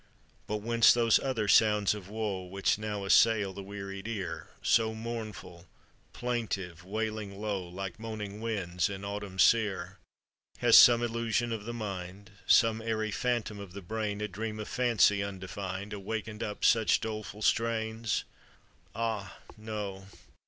But whence those other sounds of woe Which now assail the wearied ear, So mournful, plaintive, wailing low, Like moaning winds in autumn sere? Has some illusion of the mind, Some airy phantom of the brain, A dream of fancy undefin'd, Awakened up such doleful strains? Ah, no!